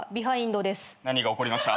何が起こりました？